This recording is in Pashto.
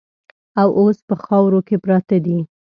او اوس په خاورو کې پراته دي.